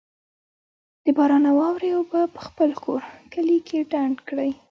د باران او واورې اوبه په خپل کور، کلي کي ډنډ کړئ